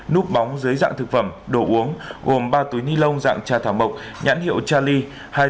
núp bóng dưới dạng thực phẩm đồ uống gồm ba túi ni lông dạng trà thảo mộc nhãn hiệu cha ly